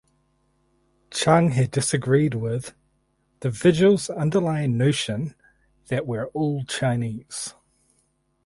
Cheung had disagreed with "the vigil’s underlying notion that we’re all Chinese".